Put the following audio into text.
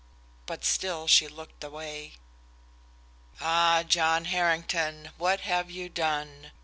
But still she looked away. Ah, John Harrington, what have you done?